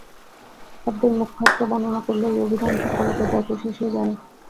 শব্দের মুখ্যার্থ বর্ণনা করলেই অভিধান সংকলকের দায়িত্ব শেষ হয়ে যায় না।